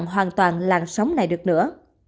hoàn toàn làn sóng này được nữa